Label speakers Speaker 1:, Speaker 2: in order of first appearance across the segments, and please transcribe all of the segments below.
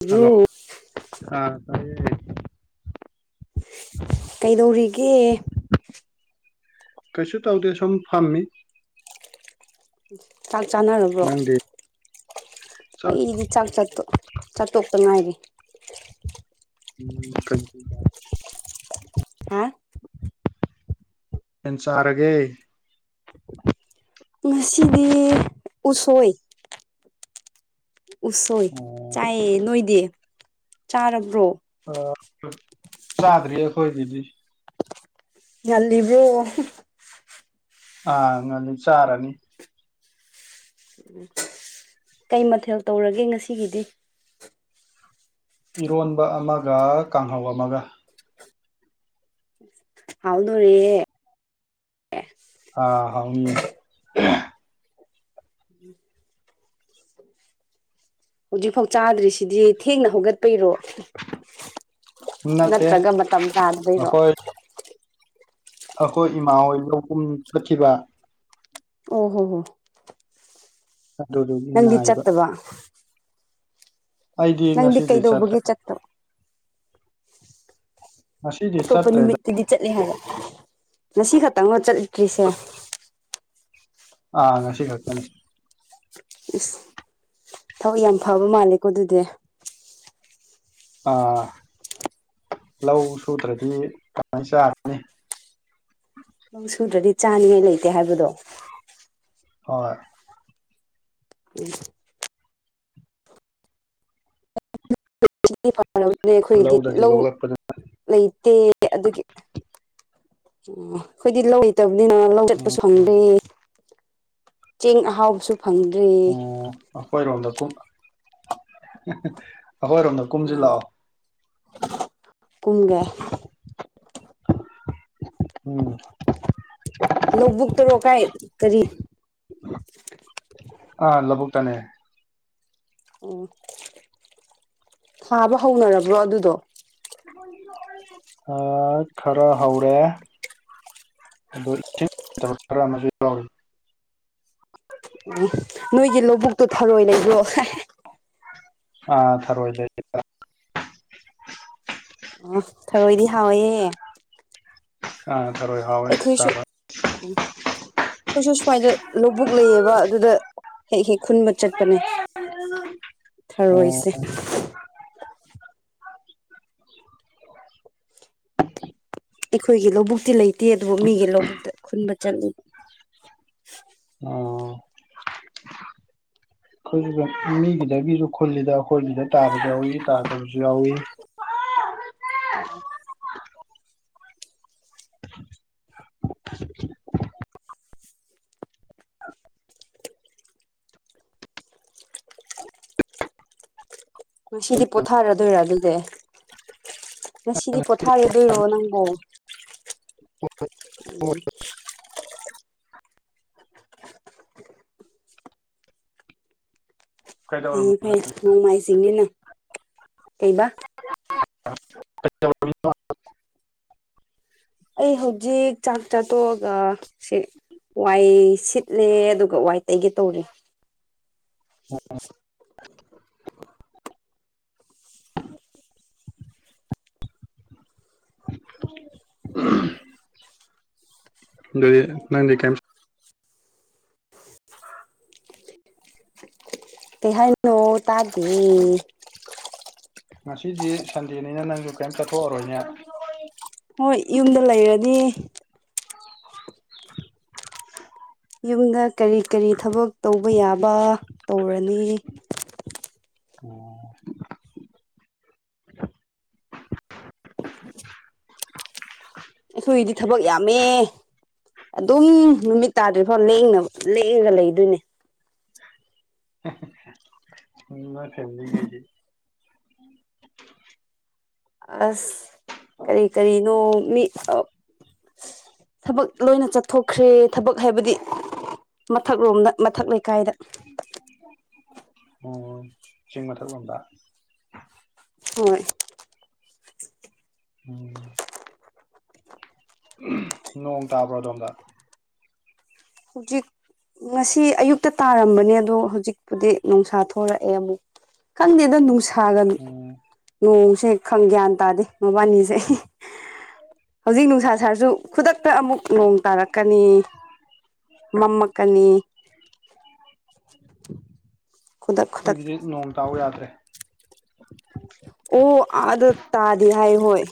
Speaker 1: brew
Speaker 2: hello
Speaker 1: ꯀꯩꯗꯧꯔꯤꯒꯦ
Speaker 2: ꯀꯩꯁꯨ ꯇꯧꯗꯦ ꯁꯨꯝ ꯐꯝꯃꯤ
Speaker 1: ꯆꯥꯛ ꯆꯥꯅꯔꯕ꯭ꯔꯣ
Speaker 2: ꯅꯪꯗꯤ ꯆꯥꯛ
Speaker 1: ꯑꯩꯗꯤ ꯆꯥꯛ ꯆꯠꯇ ꯆꯥꯠꯇꯣꯛꯇ ꯉꯥꯏꯔꯦ
Speaker 2: ꯎꯝ ꯀ
Speaker 1: ꯍꯥ
Speaker 2: ꯄꯦꯟ ꯆꯥꯔꯒꯦ
Speaker 1: ꯉꯁꯤꯗꯤ ꯎꯁꯣꯏ ꯎꯁꯣꯏ
Speaker 2: ꯑꯣ
Speaker 1: ꯆꯥꯏꯌꯦ ꯅꯣꯏꯗꯤ ꯆꯥꯔꯕ꯭ꯔꯣ
Speaker 2: ꯆꯥꯗꯔꯤꯌꯦꯈꯣꯏ ꯇꯤꯗꯤ
Speaker 1: ꯑꯜꯂꯤꯕ꯭ꯔꯣ
Speaker 2: ꯑꯥ ꯉꯅꯤ ꯆꯥꯔꯅꯤ
Speaker 1: ꯎꯝ ꯀꯩ ꯃꯊꯦꯜ ꯇꯧꯔꯒꯦ ꯉꯁꯤꯒꯤꯗꯤ
Speaker 2: ꯏꯔꯣꯟꯕ ꯑꯃꯒ ꯀꯥꯡꯍꯧ ꯑꯃꯒ
Speaker 1: ꯍꯥꯎꯗꯣꯣꯔꯦ
Speaker 2: ꯑꯥ ꯍꯥꯎꯉꯌꯦ
Speaker 1: ꯍꯧꯖꯤꯛꯐꯥꯎ ꯆꯥꯗ꯭ꯔꯤꯁꯤꯗꯤ ꯊꯦꯡꯅ ꯍꯧꯒꯠꯄꯩꯔꯣ
Speaker 2: ꯅꯠꯇꯦ
Speaker 1: ꯅꯠꯇ꯭ꯔꯒꯝꯕ ꯇꯝ ꯇ ꯍꯥꯏꯗꯕꯩꯒꯣ
Speaker 2: ꯑꯩꯈꯣꯏ ꯑꯩꯈꯣꯏ ꯏꯃꯥ ꯍꯣꯏ ꯂꯧ ꯀꯨꯝ ꯆꯠꯈꯤꯕ
Speaker 1: ꯑꯣ ꯍꯣ ꯍꯣ ꯅꯪꯗꯤ
Speaker 2: ꯑꯗꯨꯗꯨꯒꯤꯉꯅꯥꯏꯕ
Speaker 1: ꯆꯠꯇꯕ ꯅꯪꯗꯤ
Speaker 2: ꯆꯠꯇ꯭ꯔꯦ
Speaker 1: ꯀꯩꯗꯧꯕꯒꯤꯦ ꯆꯠꯇꯣ
Speaker 2: ꯉꯁꯤꯗꯤ
Speaker 1: ꯑꯇꯣꯞꯄ
Speaker 2: ꯆꯠꯇ꯭ꯔꯦꯗ
Speaker 1: ꯅꯨꯃꯤꯠꯇꯗꯤ ꯆꯠꯂꯦ ꯍꯥꯏꯕ ꯉꯁꯤ ꯈꯛꯇꯪꯅ ꯆꯠꯂꯤꯇ꯭ꯔꯤꯁꯦ
Speaker 2: ꯑ ꯑꯉꯥꯡ ꯁꯤꯅꯤ
Speaker 1: ꯏꯁ ꯊꯕꯛ ꯌꯥꯝ ꯐꯕ ꯃꯥꯜꯂꯦꯀꯣ ꯑꯗꯨꯗꯤ
Speaker 2: ꯑꯥ ꯂꯧ ꯁꯨꯗ꯭ꯔꯗꯤ ꯀꯃꯥꯏꯅ ꯆꯥꯔꯅꯤ
Speaker 1: ꯅꯣꯡ ꯁꯨꯗ꯭ꯔꯗꯤ ꯆꯥꯅꯤꯉꯥꯏ ꯂꯩꯇꯦ ꯍꯥꯏꯕꯗꯣ
Speaker 2: ꯍꯣꯏ
Speaker 1: ꯎꯝ ꯑꯩꯈꯣꯏꯒꯤꯗꯤ
Speaker 2: ꯂꯧꯗꯒꯤ
Speaker 1: ꯂꯧ
Speaker 2: ꯂꯣꯛꯂꯛꯄꯗ
Speaker 1: ꯂꯩꯇꯦ ꯑꯗꯨꯒꯤ ꯑꯣ ꯑꯩꯈꯣꯏꯗꯤ ꯂꯧ ꯂꯩꯇꯕꯅꯤꯅ ꯂꯧ
Speaker 2: ꯎꯝ
Speaker 1: ꯆꯠꯄꯁꯨ ꯍꯪꯕꯤ ꯆꯦꯡ ꯑꯍꯥꯎꯁꯨ
Speaker 2: ꯎꯝꯣꯏꯔꯣꯗ ꯀ ꯑꯩꯈꯣꯏꯔꯣꯝꯗ ꯀꯨꯝꯁꯤ
Speaker 1: ꯑꯥ
Speaker 2: ꯂꯥꯛꯑꯣ
Speaker 1: ꯀꯨꯝꯒꯦ
Speaker 2: ꯎꯝ
Speaker 1: ꯂꯧꯕꯨꯛꯛꯇꯔꯣ ꯀꯥꯏ ꯀꯔꯤ
Speaker 2: ꯇꯅꯦ
Speaker 1: ꯑꯣ ꯁꯥꯕ ꯍꯧꯅꯔꯕ꯭ꯔꯣ ꯑꯗꯨꯗꯣ
Speaker 2: ꯑ ꯈꯔ ꯍꯧꯥꯎꯔꯦ ꯑꯣ ꯏꯁꯤꯡꯕꯛ ꯈꯔ ꯑꯃꯁꯨ ꯌꯥꯎꯔꯤ
Speaker 1: ꯎ ꯅꯣꯏꯒꯤ ꯂꯧꯕꯨꯛꯇꯣ ꯊꯔꯣꯏ ꯂꯩꯕ꯭ꯔꯣ
Speaker 2: ꯑꯥ ꯊꯔꯑꯣ ꯏ ꯂꯩ
Speaker 1: ꯑꯣ ꯊꯔꯣꯏꯗꯤ ꯍꯥꯎꯏꯦ
Speaker 2: ꯑ ꯇꯔꯣꯏ ꯍꯥꯎꯣꯏ ꯆ
Speaker 1: ꯑꯩꯈꯣꯏꯁꯨ ꯁꯨꯃꯥꯏꯗ ꯂꯧꯕꯨꯛ ꯂꯩꯌꯦꯕ ꯑꯗꯨꯗ ꯍꯦꯛ ꯍꯦꯛ ꯈꯨꯟꯕ ꯆꯠꯄꯅꯦ
Speaker 2: ꯑꯣ
Speaker 1: ꯊꯔꯣꯏꯁꯦ ꯑꯩꯈꯣꯏꯒꯤ ꯂꯧꯕꯨꯛꯇꯤ ꯂꯩꯇꯦ ꯑꯗꯨꯕꯨ ꯃꯤꯒꯤ ꯂꯧꯕꯨꯛꯇ ꯈꯨꯟꯕ ꯆꯠꯂꯤꯕ
Speaker 2: [unintelligible] ꯑꯩꯈꯣꯏꯁꯨ ꯃꯤꯒꯤꯗꯒꯤꯁꯨ ꯈꯨꯜꯂꯤꯗ ꯑꯩꯈꯣꯏꯒꯤꯗ ꯇꯥꯕꯁꯨ ꯌꯥꯎꯏ ꯇꯥꯗꯕꯁꯨ ꯌꯥꯎꯏ [unintelligible]
Speaker 1: ꯏ
Speaker 2: [unintelligible]
Speaker 1: ꯁꯤꯗꯤ ꯄꯣꯊꯥꯔꯗꯣꯏꯔ ꯑꯗꯨꯗꯦ ꯉꯁꯤꯗꯤ ꯄꯣꯊꯥꯔꯦꯗꯔꯣ ꯅꯪꯣ ꯎꯝ ꯐꯩ
Speaker 2: ꯀꯩꯗꯧꯔꯝꯃꯤꯅꯣ
Speaker 1: ꯐꯩ ꯅꯣꯡꯃꯥꯏ ꯆꯤꯡꯅ ꯀꯩꯕꯥ
Speaker 2: [unintelligible]
Speaker 1: ꯑꯩ ꯍꯧꯖꯤꯛ ꯆꯥꯛ ꯆꯥꯊꯣꯛꯑꯒ ꯁꯤ ꯋꯥꯏ ꯁꯤꯠꯂꯦ ꯑꯗꯨꯒ ꯋꯥꯏ ꯇꯩꯒꯦ ꯇꯧꯔꯦ
Speaker 2: [unintelligible] [unintelligible] ꯑꯗꯨꯗꯤ ꯅꯪ ꯀ
Speaker 1: ꯇ ꯍꯥꯏꯥꯏꯅꯣ ꯇꯥꯒꯤ
Speaker 2: ꯉꯁꯤꯗꯤ ꯁꯟꯗꯦꯅꯤꯅ ꯅꯪꯁꯨ ꯀꯩꯝ ꯆꯠꯊꯣꯛꯑꯔꯣꯏꯅꯦ
Speaker 1: ꯍꯣꯏ ꯌꯨꯝꯗ ꯂꯩꯔꯅꯤ
Speaker 2: [unintelligible]
Speaker 1: ꯌꯨꯝꯗ ꯀꯔꯤ ꯀꯔꯤ ꯊꯕꯛ ꯇꯧꯕ ꯌꯥꯕ ꯇꯧꯔꯅꯤ
Speaker 2: ꯑꯣꯝ [unintelligible]
Speaker 1: ꯑꯩꯈꯣꯏꯏꯗꯤ ꯊꯕꯛ ꯌꯥꯝꯃꯦ ꯑꯗꯨꯝ ꯅꯨꯃꯤꯠ ꯇꯥꯗ꯭ꯔꯤ ꯐꯥꯎ ꯂꯦꯡꯅꯕ ꯂꯦꯡꯉꯒ ꯂꯩꯗꯣꯏꯅꯦ
Speaker 2: ꯎ ꯃꯔ ꯐꯦꯃꯤꯂꯤ ꯀꯁꯤ ꯎꯝ
Speaker 1: ꯑꯁ ꯀꯔꯤ ꯀꯔꯤꯅꯣ ꯃꯤ ꯊꯕꯛ ꯂꯣꯏꯅ ꯆꯠꯊꯣꯛꯈ꯭ꯔꯦ ꯊꯕꯛ ꯍꯥꯏꯕꯗꯤ ꯃꯊꯛ ꯂꯣꯝꯗ ꯃꯊꯛ ꯂꯩꯀꯥꯏꯗ
Speaker 2: ꯎꯝ ꯆꯤꯡ ꯃꯊꯛꯒꯕ
Speaker 1: ꯍꯣꯏ
Speaker 2: ꯎꯝ ꯅꯣꯡꯣꯡ ꯇꯕ꯭ꯔꯣꯗꯗ
Speaker 1: ꯍꯧꯖꯤꯛ ꯉꯁꯤ ꯑꯌꯨꯛꯇ ꯇꯥꯔꯝꯕꯅꯦ ꯑꯗꯣ ꯍꯧꯖꯤꯛꯄꯨꯗꯤ ꯅꯨꯡꯁꯥ ꯊꯣꯛ ꯊꯣꯔꯛꯑꯦ ꯑꯃꯨꯛ ꯈꯪꯗꯦꯗ ꯅꯨꯡꯁꯥꯒ
Speaker 2: ꯎꯝ
Speaker 1: ꯅꯣꯡꯁꯦ ꯈꯪ ꯒ꯭ꯌꯥꯟ ꯇꯥꯗꯦ ꯃ ꯄꯅꯤꯁꯦ ꯍꯧꯖꯤꯛ ꯅꯨꯡꯁꯥ ꯁꯥꯔꯁꯨ ꯈꯨꯗꯛꯇ ꯑꯃꯨꯛ ꯅꯣꯡ ꯇꯥꯔꯛꯀꯅꯤ ꯃꯝꯃꯀꯅꯤ
Speaker 2: ꯑꯩꯈꯣꯏꯒꯤꯗꯤ ꯅꯣꯡ ꯇꯥꯎ ꯌꯥꯗ꯭ꯔꯦ
Speaker 1: ꯑꯣ ꯑꯗ ꯇꯥꯗꯤ ꯍꯥꯏꯥꯏ ꯍꯣꯏ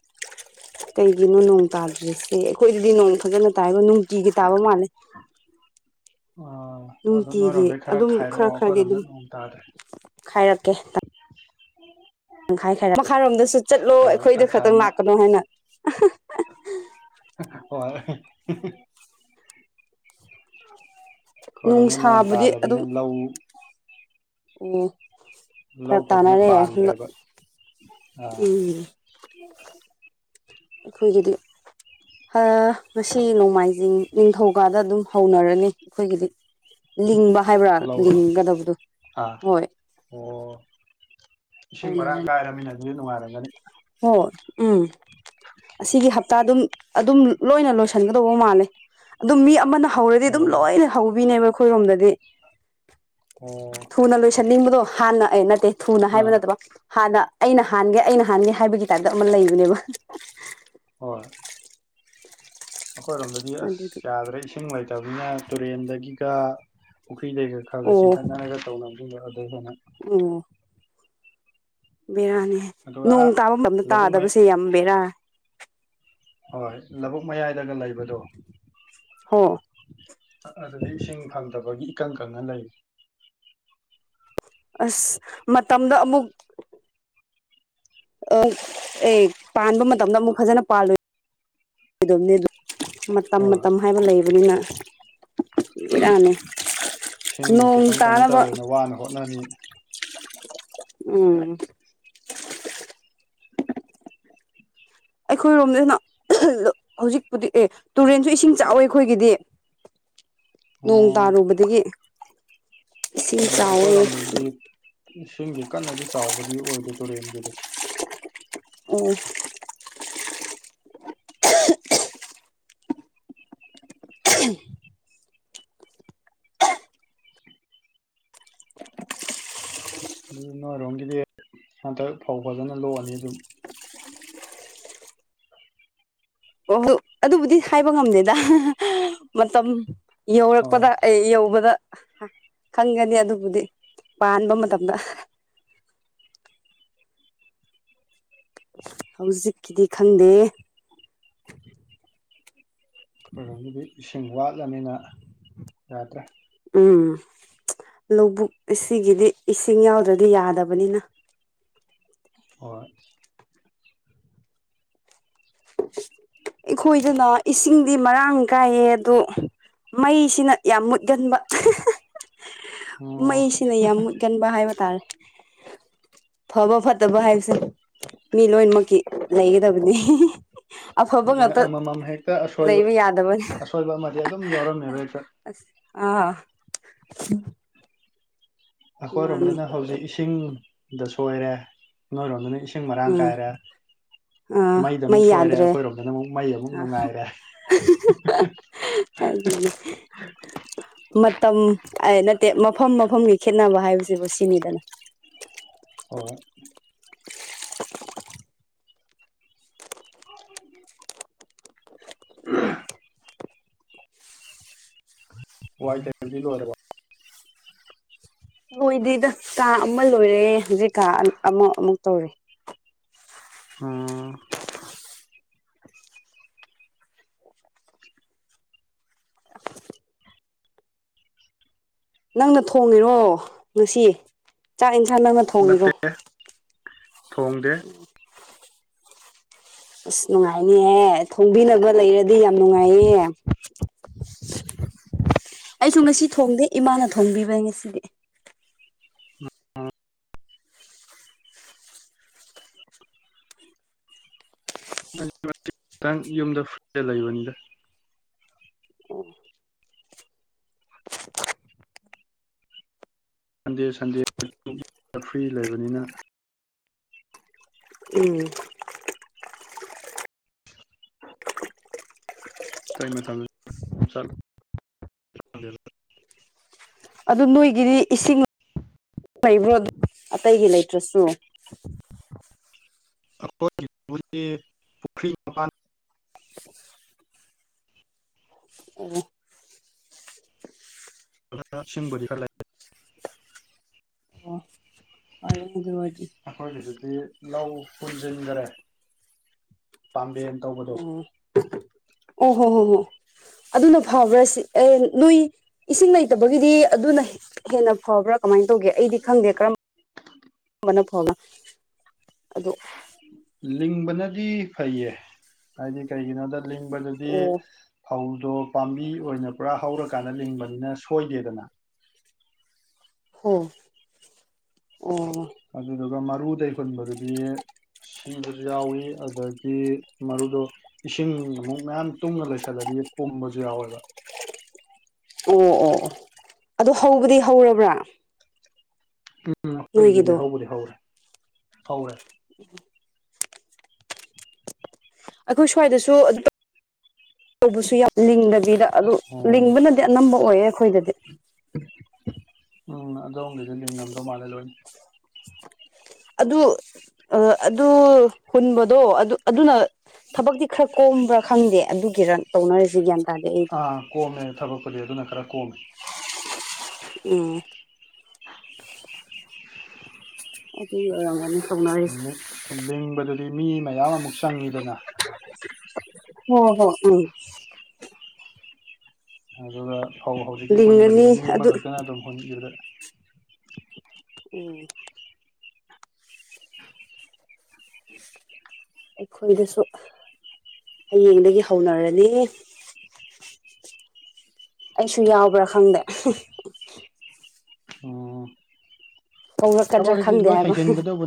Speaker 2: [unintelligible]
Speaker 1: ꯀꯩꯒꯤꯅꯣ ꯅꯣꯡ ꯇꯥꯗ꯭ꯔꯤꯁꯦ ꯑꯩꯈꯣꯏꯗꯗꯤ ꯅꯣꯡ ꯐꯖꯅ ꯇꯥꯏꯕ ꯅꯨꯡꯇꯤꯒꯤ ꯇꯥꯕ ꯃꯥꯜꯂꯦ
Speaker 2: [unintelligible] ꯑꯗꯨꯗꯣ ꯅꯣꯏꯔꯣꯝꯗꯩ
Speaker 1: ꯅꯨꯡꯇꯤꯒꯤ
Speaker 2: ꯈꯔ
Speaker 1: ꯑꯗꯨꯝ
Speaker 2: ꯈꯥꯏꯔꯛꯑꯣ ꯑꯩꯈꯣꯏꯔꯣꯝꯗ ꯅꯣꯡ ꯇꯥꯗ꯭ꯔꯦ
Speaker 1: ꯈ ꯍꯥꯏꯔꯛꯀꯦ ꯇꯪꯈꯥꯏ ꯈꯥꯏ ꯃꯈꯥꯏꯔꯣꯝꯗꯁꯨ ꯆꯠꯂꯣ
Speaker 2: ꯍꯣꯏ
Speaker 1: ꯑꯩꯈꯣꯏꯗ
Speaker 2: ꯇꯪꯈꯥꯏ
Speaker 1: ꯈꯛꯇꯪ
Speaker 2: ꯑꯃ
Speaker 1: ꯂꯥꯛꯀꯅꯣ ꯍꯥꯏꯅ
Speaker 2: ꯍꯣꯏ ꯈꯔꯅ ꯅꯣꯡ
Speaker 1: ꯅꯨꯡꯁꯥꯕꯨꯗꯤ ꯑꯗꯨꯝ
Speaker 2: ꯇꯥꯗꯕꯅꯤꯅ ꯂꯧ
Speaker 1: ꯑꯣ
Speaker 2: ꯂꯧ
Speaker 1: ꯈꯔ
Speaker 2: ꯐꯖꯅ
Speaker 1: ꯇꯥꯅꯔꯦ
Speaker 2: ꯄꯥꯟꯗ꯭ꯔꯦꯕ ꯑꯥ
Speaker 1: ꯎꯝ ꯑꯩꯈꯣꯏꯒꯤꯗꯤ ꯉꯁꯤ ꯅꯣꯡꯃꯥꯏꯖꯤꯡ ꯅꯤꯡꯊꯧꯀꯥꯗ ꯑꯗꯨꯝ ꯍꯧꯅꯔꯅꯤ ꯑꯩꯈꯣꯏꯒꯤꯗꯤ ꯂꯤꯡꯕ ꯍꯥꯏꯕ꯭ꯔꯥ
Speaker 2: ꯂꯧꯔꯣ
Speaker 1: ꯂꯤꯡꯒꯗꯕꯗꯨ
Speaker 2: ꯑꯥ
Speaker 1: ꯍꯣꯏ
Speaker 2: ꯑꯣ ꯏꯁꯤꯡ ꯃꯔꯥꯡ
Speaker 1: ꯍꯧꯅꯔꯅꯤ
Speaker 2: ꯀꯥꯏꯔꯃꯤꯅ ꯑꯗꯨꯗꯤ ꯅꯨꯡꯉꯥꯏꯔꯝꯒꯅꯤ
Speaker 1: ꯍꯣꯏ ꯎꯝ ꯑꯁꯤꯒꯤ ꯍꯞꯇꯥ ꯑꯗꯨꯝ ꯑꯗꯨꯝ ꯂꯣꯏꯅ ꯂꯣꯏꯁꯤꯟꯒꯗꯧꯕ ꯃꯥꯜꯂꯦ ꯑꯗꯨꯝ ꯃꯤ ꯑꯃꯅ ꯍꯧꯔꯗꯤ
Speaker 2: ꯑꯣ
Speaker 1: ꯑꯗꯨꯝ ꯂꯣꯏꯅ ꯍꯧꯕꯤꯅꯦꯕ ꯑꯩꯈꯣꯏꯔꯣꯝꯗꯗꯤ
Speaker 2: ꯑꯣ
Speaker 1: ꯊꯨꯅ ꯂꯣꯏꯁꯟꯅꯤꯡꯕꯗꯣ ꯍꯥꯟꯅ ꯑꯦ ꯅꯠꯇꯦ ꯊꯨꯅ ꯍꯥꯏꯕ
Speaker 2: ꯑꯥ
Speaker 1: ꯅꯠꯇꯕ ꯍꯥꯟꯅ ꯑꯩꯅ ꯍꯥꯟꯒꯦ ꯑꯩꯅ ꯍꯥꯟꯒꯦ ꯍꯥꯏꯕꯒꯤ ꯇꯥꯏꯞꯇ ꯑꯃ ꯂꯩꯕꯅꯦꯕ
Speaker 2: ꯍꯣꯏ ꯑꯩꯈꯣꯏꯔꯣꯝꯗꯗꯤ
Speaker 1: ꯑꯗꯨꯒꯤ
Speaker 2: ꯑꯁ ꯌꯥꯗ꯭ꯔꯦ ꯏꯁꯤꯡ ꯂꯩꯇꯕꯅꯤꯅ ꯇꯨꯔꯦꯟꯗꯒꯤꯒ ꯅꯨꯄꯤ ꯂꯩꯩꯒ ꯈꯔꯒ
Speaker 1: ꯑꯣ
Speaker 2: ꯆꯤꯡꯈꯠꯅꯔꯒ ꯇꯧꯅꯕꯤꯕ ꯑꯗꯨ ꯍꯦꯟꯅ
Speaker 1: ꯕꯦꯔꯥꯅꯤꯍ
Speaker 2: ꯑꯗꯨꯒ
Speaker 1: ꯅꯣꯡ
Speaker 2: ꯑꯥ
Speaker 1: ꯇꯥꯐꯝ ꯃꯝꯗ
Speaker 2: ꯂꯧꯕꯨꯛ ꯃꯌꯥ
Speaker 1: ꯇꯥꯗꯕꯁꯦ ꯌꯥꯝ ꯕꯦꯔꯥ
Speaker 2: ꯍꯣꯏ ꯂꯧꯕꯨꯛ ꯃꯌꯥꯏꯗꯒ ꯂꯩꯕꯗꯣ
Speaker 1: ꯍ
Speaker 2: ꯑꯗꯨꯗꯒꯤ ꯏꯁꯤꯡ ꯐꯪꯗꯕꯒꯤ ꯏꯀꯪ ꯈꯪꯅ ꯂꯩꯔꯤ
Speaker 1: ꯑꯁ ꯃꯇꯝꯗ ꯑꯃꯨꯛ ꯑ ꯑꯦ ꯄꯥꯟꯕ ꯃꯇꯝꯗ ꯑꯃꯨꯛ ꯐꯖꯅ ꯄꯥꯜꯂꯣꯏꯗꯕꯅꯦ ꯃꯇꯝ
Speaker 2: ꯍꯣꯏ
Speaker 1: ꯃꯇꯝ ꯍꯥꯏꯕ ꯂꯩꯕꯅꯤꯅ ꯏꯔꯅꯤ
Speaker 2: ꯏꯁꯤꯡ
Speaker 1: ꯅꯣꯡ
Speaker 2: ꯈꯤꯇꯪ ꯀꯩꯅꯣ
Speaker 1: ꯇꯥꯅꯅꯕ
Speaker 2: ꯇꯧꯋꯦꯅ ꯋꯥꯅ ꯍꯣꯠꯅꯔꯤ
Speaker 1: ꯎꯝ ꯑꯩꯈꯣꯏꯔꯣꯝꯗꯅ ꯍꯧꯖꯤꯛꯄꯨꯗꯤ ꯑꯦ ꯇꯨꯔꯦꯟꯁꯨ ꯏꯁꯤꯡ ꯆꯥꯎꯋꯤ ꯑꯩꯈꯣꯏꯒꯤꯗꯤ
Speaker 2: [unintelligible]
Speaker 1: ꯅꯣꯡ
Speaker 2: ꯑꯣ
Speaker 1: ꯇꯥꯔꯨꯕꯗꯒꯤ ꯏꯁꯤꯡ
Speaker 2: ꯎ
Speaker 1: ꯆꯥꯎꯋꯦ
Speaker 2: ꯍꯣꯏꯔꯣꯝꯝꯕꯗꯗꯤ ꯏꯁꯤꯡꯒꯤ ꯀꯟꯅꯗꯤ ꯆꯥꯎꯕ ꯑꯣꯏꯗ ꯇꯔꯗ
Speaker 1: ꯑꯣ ꯎ
Speaker 2: ꯑꯗꯨ ꯅꯣꯏꯔꯣꯝꯒꯤꯗꯤ ꯍꯟꯗꯛ ꯐꯧ ꯐꯖꯅ ꯂꯣꯛꯑꯅꯤ ꯑꯗꯨꯝ
Speaker 1: ꯑꯣ ꯑꯗꯨꯕꯨꯗꯤ ꯍꯥꯏꯕ ꯉꯝꯗꯦꯗ ꯃꯇꯝ
Speaker 2: ꯍꯣꯏ
Speaker 1: ꯌꯧꯔꯛꯄꯗ ꯑꯩ ꯌꯧꯕꯗ ꯈꯪꯒꯅꯤ ꯑꯗꯨꯕꯨꯗꯤ ꯄꯥꯟꯕ ꯃꯇꯝꯗ
Speaker 2: [unintelligible]
Speaker 1: ꯍꯧꯖꯤꯛꯀꯤꯗꯤ ꯈꯪꯗꯦ
Speaker 2: ꯑꯩꯈꯣꯏꯗꯤ ꯏꯁꯤꯡ ꯋꯥꯠꯂꯅꯤꯅ ꯌꯥꯗ꯭ꯔꯦ
Speaker 1: ꯎꯝ ꯂꯧꯕꯨꯛ ꯑꯁꯤꯒꯤꯗꯤ ꯏꯁꯤꯡ ꯌꯥꯎꯗ꯭ꯔꯗꯤ ꯌꯥꯗꯕꯅꯤꯅ
Speaker 2: ꯍꯣꯏꯣꯏ [unintelligible]
Speaker 1: ꯑꯩꯈꯣꯏꯗꯅ ꯏꯁꯤꯡꯗꯤ ꯃꯔꯥꯡ ꯀꯥꯏꯌꯦ ꯑꯗꯣ ꯃꯩꯁꯤꯅ ꯌꯥꯝ ꯃꯨꯠꯒꯟꯕ
Speaker 2: ꯑꯣ
Speaker 1: ꯃꯩꯁꯤꯅ ꯌꯥꯝ ꯃꯨꯠꯒꯟꯕ ꯍꯥꯏꯕ ꯇꯥꯔꯦ
Speaker 2: [unintelligible]
Speaker 1: ꯐꯕ ꯐꯠꯇꯕ ꯍꯥꯏꯕꯁꯦ ꯃꯤ ꯂꯣꯏꯅꯃꯛꯀꯤ ꯂꯩꯒꯗꯕꯅꯤ ꯑꯐꯕ
Speaker 2: ꯑꯗꯨꯅ
Speaker 1: ꯉꯥꯛꯇ
Speaker 2: ꯑꯃꯃꯝ ꯍꯦꯛꯇ ꯑꯁꯣꯏꯕ
Speaker 1: ꯂꯩꯕ ꯌꯥꯗꯕꯅꯦ ꯑ
Speaker 2: ꯑꯁꯣꯏꯕ ꯑꯃꯗꯤ ꯑꯗꯨꯝ ꯌꯥꯎꯔꯝꯃꯦꯕ ꯍꯦꯛꯇ
Speaker 1: ꯑꯁ ꯑꯥ ꯃꯥꯅꯦ
Speaker 2: ꯑꯩꯈꯣꯏꯔꯣꯝꯗꯅ ꯍꯧꯖꯤꯛ ꯏꯁꯤꯡꯗ ꯁꯣꯏꯔꯦ ꯅꯣꯏꯔꯣꯝꯗꯅ ꯏꯁꯤꯡ ꯁꯤꯡ ꯃꯔꯔꯥꯡ
Speaker 1: ꯑꯥ
Speaker 2: ꯀꯥꯏꯔꯦ
Speaker 1: ꯑꯥ
Speaker 2: ꯃꯩꯗ ꯑꯃꯨꯛ
Speaker 1: ꯃꯩ
Speaker 2: ꯁꯣꯏꯔꯦ
Speaker 1: ꯌꯥꯗ꯭ꯔꯦ
Speaker 2: ꯑꯩꯈꯣꯏꯔꯣꯝꯗꯅ ꯑꯃꯨꯛ ꯃꯩ ꯑꯃꯨꯛ
Speaker 1: ꯑ
Speaker 2: ꯅꯨꯡꯉꯥꯏꯔꯦ
Speaker 1: ꯃꯇꯝ ꯑꯩꯅ ꯃꯐꯝ ꯃꯐꯝꯒꯤ ꯈꯦꯠꯅꯕ ꯍꯥꯏꯕꯁꯤꯕꯨ ꯁꯤꯅꯤꯗꯅ
Speaker 2: ꯍ ꯎꯝ ꯋꯥꯏ ꯇꯕꯤ ꯑꯣꯏꯔꯦ
Speaker 1: ꯍꯣꯏꯗꯤ ꯀꯥ ꯑꯃ ꯂꯣꯏꯔꯦ ꯍꯧꯖꯤꯛ ꯀꯥ ꯑꯃ ꯑꯃꯨꯛ ꯇꯧꯔꯦ
Speaker 2: ꯎꯝ
Speaker 1: ꯅꯪꯅ ꯊꯣꯡꯉꯤꯔꯣ ꯉꯁꯤ ꯆꯥꯛ ꯏ ꯅꯍꯥꯟ ꯅꯪꯅ ꯊꯣꯡꯉꯤꯔꯣ
Speaker 2: ꯅꯠꯇꯦ
Speaker 1: ꯎ
Speaker 2: ꯊꯣꯡꯗꯦ
Speaker 1: ꯑꯁ ꯅꯨꯡꯉꯥꯏꯅꯤꯍꯦ ꯊꯣꯡꯕꯤꯅꯕ ꯂꯩꯔꯗꯤ ꯌꯥꯝ ꯅꯨꯡꯉꯥꯏꯌꯦ ꯑꯩꯁꯨ ꯉꯁꯤ ꯊꯣꯡꯗꯦ ꯏꯃꯥꯅ ꯊꯣꯡꯕꯤꯕꯅꯤ ꯉꯁꯤꯗꯤ
Speaker 2: ꯑ ꯌꯨꯝꯗ ꯐꯨꯗ ꯂꯩꯕꯅꯤꯗ ꯁꯟꯗꯦ ꯁꯟꯗꯦ ꯐ꯭ꯔꯤ ꯂꯩꯕꯅꯤꯅ
Speaker 1: ꯎꯝ
Speaker 2: [unintelligible] ꯇꯥꯏ ꯃ ꯊ ꯆ
Speaker 1: ꯑꯗꯨ ꯅꯣꯏꯒꯤꯗꯤ ꯏꯁꯤꯡ ꯂꯩꯕ꯭ꯔꯣ ꯑꯗꯨ ꯑꯇꯩꯒꯤ ꯂꯩꯇ꯭ꯔꯁꯨ
Speaker 2: ꯑꯩꯈꯣꯏꯒꯤ ꯄꯨꯨꯈ꯭ꯔꯤ ꯃꯄꯥꯟ [unintelligible]
Speaker 1: [unintelligible] ꯑꯣ
Speaker 2: ꯕꯣꯂꯤ ꯀ [unintelligible]
Speaker 1: ꯑꯣ ꯍ ꯑꯗꯨ
Speaker 2: ꯑꯩꯈꯣꯏꯒꯤꯗꯨꯗꯤ ꯂꯧ ꯍꯨꯟꯖꯤꯟꯈꯔꯦ ꯄꯥꯝꯕꯅ ꯇꯧꯕꯗꯣ
Speaker 1: ꯑꯣ ꯍꯣ ꯍꯣ ꯍꯣꯏ ꯑꯗꯨꯅ ꯐꯕ꯭ꯔꯥ ꯁꯤ ꯑꯦ ꯅꯣꯏ ꯏꯁꯤꯡ ꯂꯩ ꯇꯕꯒꯤꯗꯤ ꯑꯗꯨꯅ ꯍꯦꯟꯅ ꯐꯕ꯭ꯔꯥ ꯀꯃꯥꯏꯅ ꯇꯧꯒꯦ ꯑꯩꯗꯤ ꯈꯪꯗꯦ ꯀꯔꯝꯕ ꯃꯅꯄꯣꯒ ꯑꯗꯣ
Speaker 2: ꯂꯤꯡꯕꯅꯗꯤ ꯐꯩꯌꯦ ꯍꯥꯏꯗꯤ ꯀꯩꯒꯤꯅꯣꯗ ꯂꯤꯡꯕꯗꯗꯤ
Speaker 1: ꯑꯣ
Speaker 2: ꯐꯧ ꯑꯗꯣ ꯄꯥꯝꯕꯤ ꯑꯣꯏꯅ ꯄꯨꯔꯥ ꯍꯧꯔꯀꯥꯟꯗ ꯂꯤꯡꯕꯅꯤꯅ ꯁꯣꯏꯗꯦꯗꯅ
Speaker 1: ꯍ ꯑꯣ
Speaker 2: ꯑꯗꯨꯒ ꯃꯔꯨꯗꯩ ꯍꯨꯟꯕꯗꯗꯤ ꯁꯤꯕꯁꯨ ꯌꯥꯎꯏꯤ ꯑꯗꯒꯤ ꯃꯔꯨꯗꯣ ꯏꯁꯤꯡ ꯑꯃꯨꯛ ꯃꯌꯥꯝ ꯇꯨꯡꯅ ꯂꯩꯁꯜꯂꯗꯤ ꯄꯨꯝꯕꯁꯨ ꯌꯥꯎꯋꯦꯕ [unintelligible]
Speaker 1: ꯑꯣ ꯑꯣ ꯑꯣ ꯑꯗꯨꯣ ꯍꯧꯕꯗꯤ ꯍꯧꯔꯕ꯭ꯔꯥ
Speaker 2: ꯎꯝ ꯑꯩꯈꯣꯏꯒꯤꯗꯨꯗꯤ
Speaker 1: ꯅꯣꯏꯒꯤꯗꯣ
Speaker 2: ꯍꯧꯕꯗꯤ ꯍꯧꯔꯦ ꯍꯧꯔꯦ
Speaker 1: ꯎꯝ ꯑꯩꯈꯣꯏ ꯁ꯭ꯋꯥꯏꯗꯁꯨ ꯑꯗꯨ ꯇꯧꯕꯁꯨ ꯌꯥꯝ ꯂꯤꯡꯗꯕꯤꯗ ꯑꯗꯨ
Speaker 2: ꯑꯣ
Speaker 1: ꯂꯤꯡꯕꯅꯗꯤ ꯑꯅꯝꯕ ꯑꯣꯏꯌꯦ ꯑꯩꯈꯣꯏꯗꯗꯤ
Speaker 2: ꯎꯝ ꯑꯗꯒꯤꯁꯨ ꯂꯤꯡꯉꯝꯗꯧ ꯃꯥꯜꯂꯦ ꯂꯣꯏ
Speaker 1: ꯑꯗꯨ ꯑꯗꯨ ꯍꯨꯟꯕꯗꯣ ꯑꯗꯨ ꯑꯗꯨꯅ ꯊꯕꯛꯇꯤ ꯈꯔ ꯀꯣꯝꯕ꯭ꯔꯥ ꯈꯪꯗꯦ ꯑꯗꯨꯒꯤꯔ ꯇꯧꯅꯔꯔꯤꯁꯤꯦ ꯒ꯭ꯟ
Speaker 2: ꯑꯥ ꯀꯣꯝꯃꯦ ꯊꯕꯛꯄꯨꯗꯤ ꯑꯗꯨꯅ ꯈꯔ ꯀꯣꯝꯃꯦ
Speaker 1: ꯎꯝ ꯑꯗꯨꯒꯤ ꯑꯣꯏꯔꯒꯅꯤ
Speaker 2: ꯂꯤꯡꯕꯗꯗꯤ ꯃꯤ ꯃꯌꯥꯝ ꯑꯃꯨꯛ ꯆꯪꯉꯤꯗꯅ
Speaker 1: ꯍ ꯍꯣ ꯎꯝ
Speaker 2: ꯑꯗꯨꯒ ꯐꯧ ꯍꯧꯖꯤꯛꯀꯤ ꯍꯨꯟꯕꯗꯨꯗꯤ
Speaker 1: ꯂꯤꯡꯉꯅꯤ
Speaker 2: ꯃꯤ
Speaker 1: ꯑꯗꯨ
Speaker 2: ꯑꯃꯈꯛꯇꯅ ꯑꯗꯨꯝ ꯍꯨꯟꯈꯤꯕꯗ
Speaker 1: ꯑꯣ ꯑꯩꯈꯣꯏꯗꯁꯨ ꯍꯌꯦꯡꯗꯒꯤ ꯍꯧꯅꯔꯅꯤ ꯑꯩꯁꯨ ꯌꯥꯎꯕ꯭ꯔꯥ ꯈꯪꯗꯦ
Speaker 2: ꯎꯝ
Speaker 1: ꯍꯣꯡꯂꯛꯀꯗ꯭ꯔꯥ
Speaker 2: ꯊꯕꯛ ꯑꯁꯤ ꯂꯣꯏ
Speaker 1: ꯈꯪꯗꯦ ꯍꯥꯏꯕ
Speaker 2: ꯍꯩꯖꯤꯟꯒꯗꯧꯕꯅꯤ